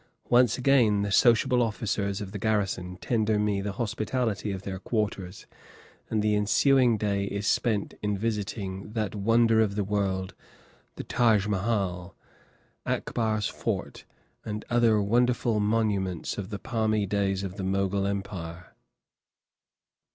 Once again the sociable officers of the garrison tender me the hospitality of their quarters, and the ensuing day is spent in visiting that wonder of the world, the Taj Mahal, Akbar's fort, and other wonderful monuments of the palmy days of the Mogul Empire.